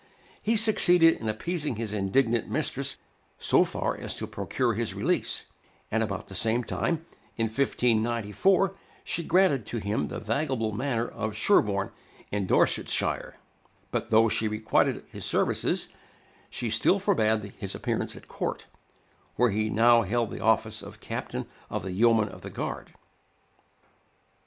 He succeeded in appeasing his indignant mistress so far as to procure his release; and about the same time, in 1594, she granted to him the valuable manor of Sherborne, in Dorsetshire; but though she requited his services, she still forbade his appearance at court, where he now held the office of Captain of the Yeomen of the Guard.